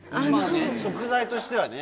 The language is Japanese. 食材としてはね。